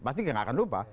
pasti gak akan lupa